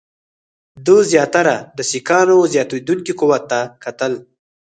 ده زیاتره د سیکهانو زیاتېدونکي قوت ته کتل.